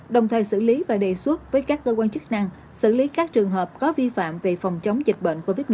đồng thời xử lý và đề xuất với các cơ quan chức năng xử lý các trường hợp có vi phạm về phòng chống dịch bệnh covid một mươi chín